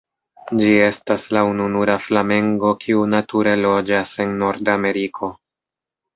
Ĝi estas la ununura flamengo kiu nature loĝas en Nordameriko.